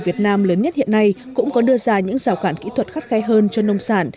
việt nam lớn nhất hiện nay cũng có đưa ra những rào cản kỹ thuật khắt khe hơn cho nông sản